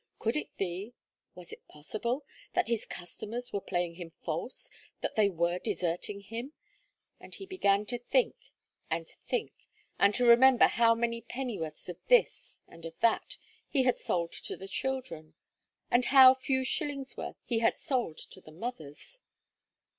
Could it be was it possible that his customers were playing him false that they were deserting him and he began to think and think, and to remember, how many pennyworths of this, and of that, he had sold to the children, and how few shillings worth he had sold to the mothers.